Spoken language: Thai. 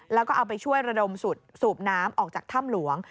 แล้วก็เอาไปช่วยระดมสุดสูบน้ำออกจากถ้ำหลวง